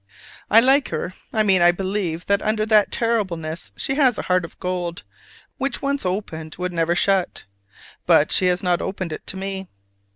I like her: I mean I believe that under that terribleness she has a heart of gold, which once opened would never shut: but she has not opened it to me.